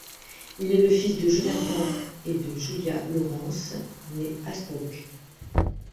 Il est le fils de Jonathan et de Julia Lawrence née Hasbrouck.